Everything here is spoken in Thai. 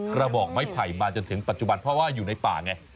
กระบอกไม้ไผ่มาจนถึงปัจจุบันเพราะว่าอยู่ในป่าไง